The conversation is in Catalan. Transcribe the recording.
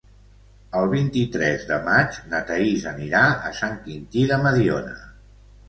El vint-i-tres de maig na Thaís anirà a Sant Quintí de Mediona.